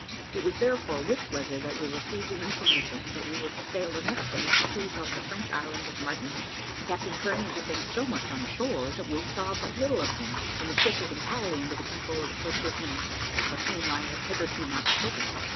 It was therefore with pleasure that we received the information that we were to sail the next day to cruise off the French island of Martinique. Captain Kearney had been so much on shore that we saw but little of him, and the ship was entirely under the control of the first lieutenant, of whom I have hitherto not spoken.